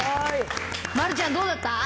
丸ちゃん、どうだった？